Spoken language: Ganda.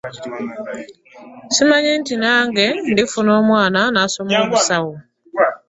Simanyi nti nange ndifuna omwana n'asoma obusawo.